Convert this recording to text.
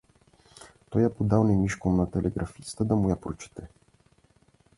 Той я подал немишком на телеграфиста, да му я прочете.